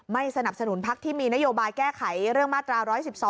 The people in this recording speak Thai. สนับสนุนพักที่มีนโยบายแก้ไขเรื่องมาตรา๑๑๒